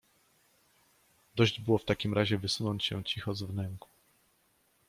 Dość było w takim razie wysunąć się cicho z wnęku.